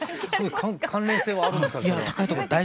関連性はあるんですか？